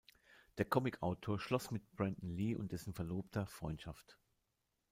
Der Comicautor schloss mit Brandon Lee und dessen Verlobter Freundschaft.